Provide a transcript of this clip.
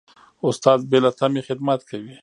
استاد بې له تمې خدمت کوي.